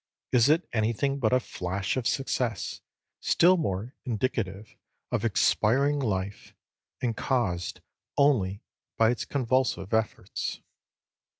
Is it anything but a flash of success, still more indicative of expiring life, and caused only by its convulsive efforts?